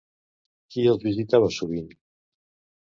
Qui els visitava sovint?